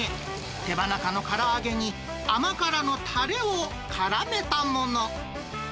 手羽中のから揚げに甘辛のたれをからめたもの。